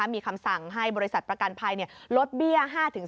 มีคำสั่งให้บริษัทประกันภัยลดเบี้ย๕๓